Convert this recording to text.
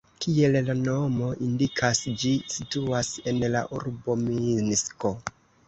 Kiel la nomo indikas, ĝi situas en la urbo Minsko.